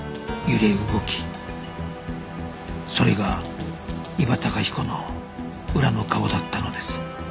それが伊庭崇彦の裏の顔だったのです